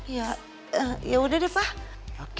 ya ya udah deh pak